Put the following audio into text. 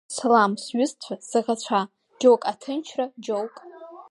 Салам, сҩызцәа, саӷацәа, џьоук аҭынчра, џьоук…